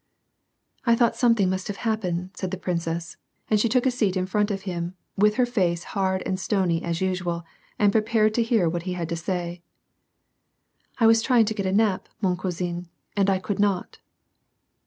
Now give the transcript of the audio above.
" I thought something must have happened," said the prin cess, and she took a seat in front of him, with her face hard and stony as usual and prepared to hear what he had to say. " I was trying to get a nap, 7?ion cousin^ and I could not."